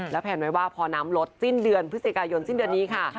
และแผนไว้ว่าพอน้ำลดสิ้นเดือนพฤศจิกายนสิ้นเดือนนี้ค่ะ